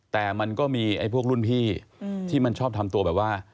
แต่มันก็มีไอ้พวกรุ่นพี่ที่มันชอบทำตัวแบบว่า